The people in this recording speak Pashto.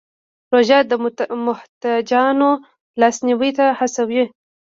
روژه د محتاجانو لاسنیوی ته هڅوي.